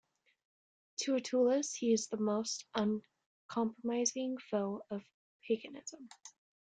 To Rutilius, he is the most uncompromising foe of paganism.